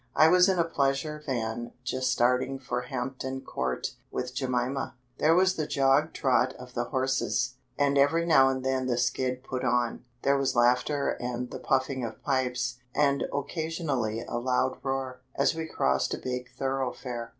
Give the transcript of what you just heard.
I was in a pleasure van just starting for Hampton Court, with Jemima. There was the jog trot of the horses, and every now and then the skid put on; there was laughter and the puffing of pipes, and occasionally a loud roar, as we crossed a big thoroughfare.